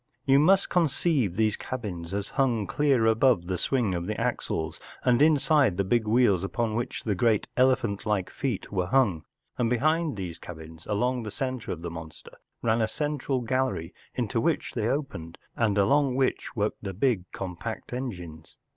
You must conceive these cabins as hung clear above the swing of the axles, and inside the big wheels upon which the great elephant 1 ike feet were hung, and behind these cabins along the centre of the monster ran a central gallery into which they opened, and along which worked the big compact engines.